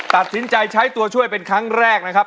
ตัดสินใจใช้ตัวช่วยเป็นครั้งแรกนะครับ